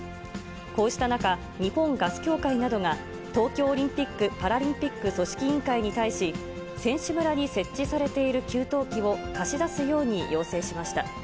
こうした中、日本ガス協会などが、東京オリンピック・パラリンピック組織委員会に対し、選手村に設置されている給湯器を貸し出すように要請しました。